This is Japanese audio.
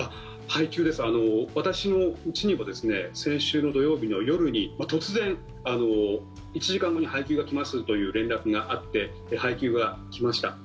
私のうちにも先週の土曜日の夜に突然、１時間後に配給が来ますという連絡があって配給が来ました。